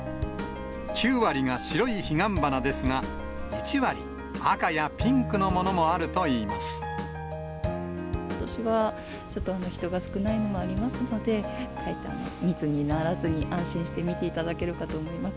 ９割が白いヒガンバナですが、１割、赤やピンクのものもあるとことしはちょっと人が少ないのもありますので、密にならずに、安心して見ていただけるかと思います。